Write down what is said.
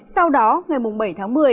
sau đó ngày bảy tháng một mươi